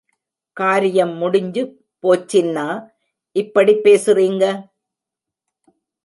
காரியம் முடிஞ்சு போச்சின்னா இப்படிப் பேசுறீங்க?